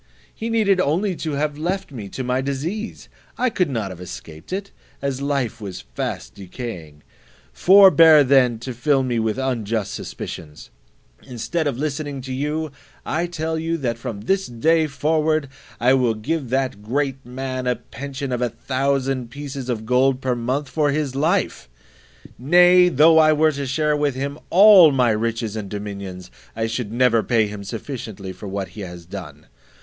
He needed only to have left me to my disease; I could not have escaped it, as life was fast decaying. Forbear then to fill me with unjust suspicions: instead of listening to you, I tell you, that from this day forward I will give that great man a pension of a thousand pieces of gold per month for his life; nay, though I were to share with him all my riches and dominions, I should never pay him sufficiently for what he has done.